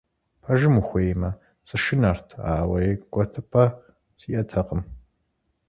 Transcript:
Пэжым ухуеймэ, сышынэрт, ауэ икӀуэтыпӀэ сиӀэтэкъым.